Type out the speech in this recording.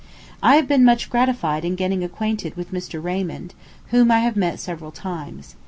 I have been much gratified in getting acquainted with Mr. Raymond, whom I have met several times.